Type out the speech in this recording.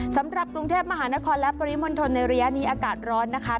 สำหรับกรุงเทพมหานครและปริมณฑลในระยะนี้อากาศร้อนนะคะ